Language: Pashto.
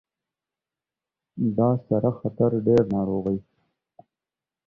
دا سره خطر ډیر ناروغۍ